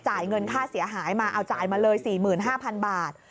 เงินค่าเสียหายมาเอาจ่ายมาเลย๔๕๐๐๐บาท